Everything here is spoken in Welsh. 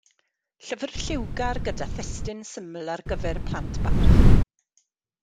Llyfr lliwgar gyda thestun syml ar gyfer plant bach.